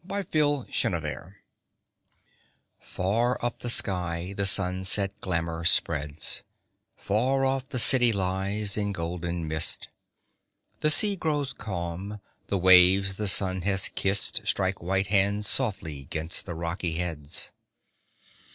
SO CALM THE WORLD Far up the sky the sunset glamour spreads, Far off the city lies in golden mist; The sea grows calm, the waves the sun has kissed Strike white hands softly 'gainst the rocky heads.